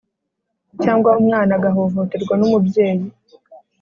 cyangwa umwana agahohoterwa n’umubyeyi,